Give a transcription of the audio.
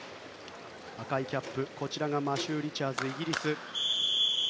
赤いキャップマシュー・リチャーズイギリス。